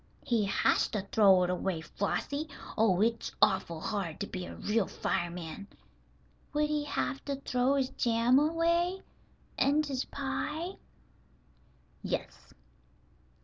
"He has to throw it away, Flossie. Oh, it's awful hard to be a real fireman." "Would he have to throw his jam away, and his pie?" "Yes."